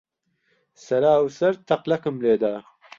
سەرا و سەر تەقلەکم لێ دا.